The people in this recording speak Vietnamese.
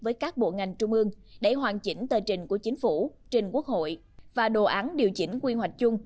với các bộ ngành trung ương để hoàn chỉnh tờ trình của chính phủ trình quốc hội và đồ án điều chỉnh quy hoạch chung